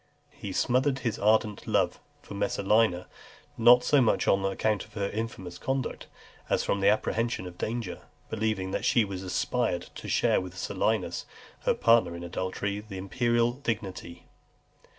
He smothered his ardent love for Messalina, not so much on account of her infamous conduct, as from apprehension of danger; believing that she aspired to share with Silius, her partner in adultery, the imperial dignity.